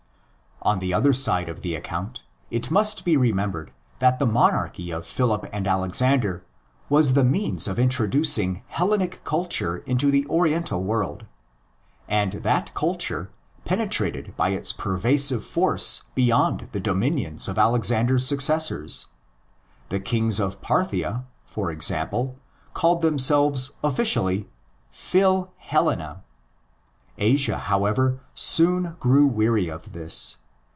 On the other side of the account, it must be remembered that the monarchy of Philip and Alexander was the means of introducing Hellenic culture into the Oriental world. And that culture penetrated by its pervasive force beyond the dominions of Alexander's successors. The kings of Parthia, for example, called themselves officially '' phil Hellene." Asia, however, soon grew weary of this.